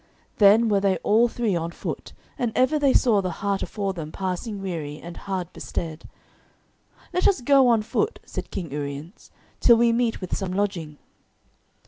Then were they all three on foot, and ever they saw the hart afore them passing weary and hard bestead. "Let us go on foot," said King Uriens, "till we meet with some lodging."